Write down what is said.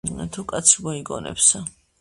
თუ კაცი მოიგონებსა